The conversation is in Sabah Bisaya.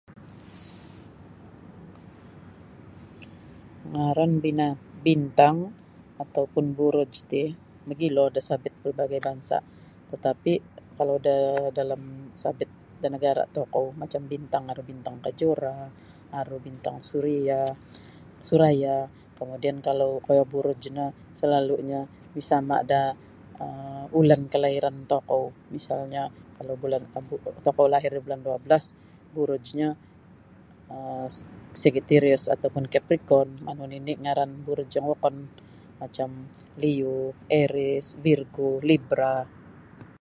Ngaran bina bintang atau pun buruj ti mogilo da sabit pelbagai bansa' tatapi kalau da dalam sabit da nagara tokou macam bintang aru bintang Kejora aru bintang Suria Suraya kemudian kalau kuo buruj no salalunyo misama da um ulan kelahiran tokou misalnyo kalau bulan tokou lahir da bulan dua belas burujnyo um Sagitarius atau pun Capricon manu nini ngaran buruj yang wokon aru macam Leo Aries Virgo Libra.